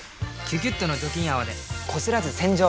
「キュキュット」の除菌泡でこすらず洗浄！